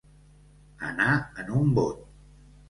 Anar en un bot.